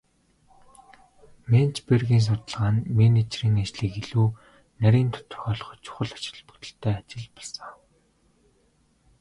Менцбергийн судалгаа нь менежерийн ажлыг илүү нарийн тодорхойлоход чухал ач холбогдолтой ажил болсон.